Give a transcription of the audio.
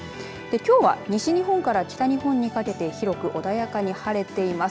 きょうは西日本から北日本にかけて広く穏やかに晴れています。